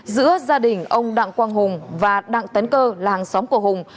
giữa gia đình ông đặng quang hùng và đặng tấn cơ là hàng xóm của hùng